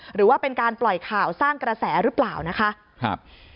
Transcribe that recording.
หรือว่าเป็นการปล่อยข่าวสร้างกระแสหรือเปล่านะคะครับ